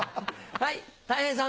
はいたい平さん。